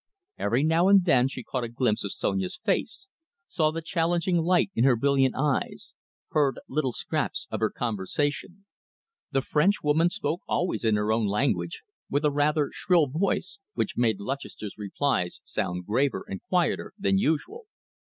Every now and then she caught a glimpse of Sonia's face, saw the challenging light in her brilliant eyes, heard little scraps of her conversation. The Frenchwoman spoke always in her own language, with a rather shrill voice, which made Lutchester's replies sound graver and quieter than usual.